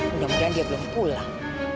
mudah mudahan dia belum pulang